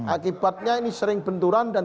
akibatnya ini sering benturan dan